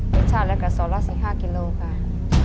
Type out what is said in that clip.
พลักษณ์และกระสอบละสิบห้ากิโลกรัมค่ะ